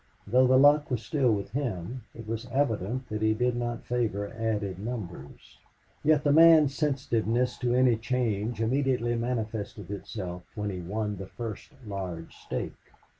Though the luck was still with him, it was evident that he did not favor added numbers. Yet the man's sensitiveness to any change immediately manifested itself when he won the first large stake.